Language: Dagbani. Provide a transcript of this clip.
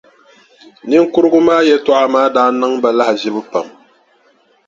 Niŋkurugu maa yɛltɔɣa maa daa niŋ ba lahaʒibu pam.